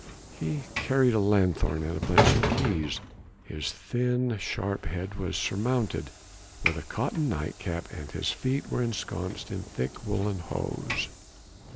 He carried a lanthorn and a bunch of keys; his thin, sharp head was surmounted with a cotton nightcap and his feet were encased in thick woollen hose.